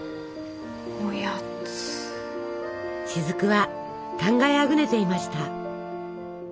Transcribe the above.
雫は考えあぐねていました。